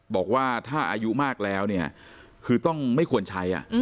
บอกว่าถ้าอายุมากแล้วเนี่ยคือต้องไม่ควรใช้